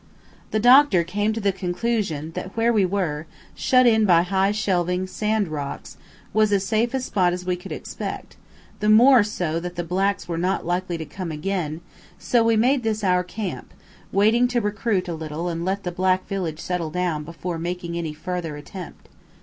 The doctor came to the conclusion that where we were, shut in by high shelving sand rocks, was as safe a spot as we could expect, the more so that the blacks were not likely to come again, so we made this our camp, waiting to recruit a little and to let the black village settle down before making any farther attempt.